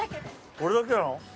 これだけなの？